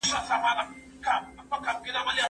انسانان یو پر بل غوره نه دي.